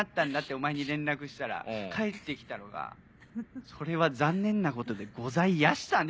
お前に連絡したら返ってきたのが「それは残念なことでございやしたね」